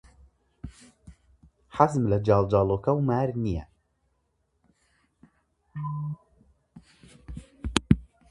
حەزم لە جاڵجاڵۆکە و مار نییە.